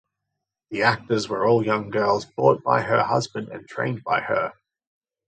The actors were all young girls bought by her husband and trained by her.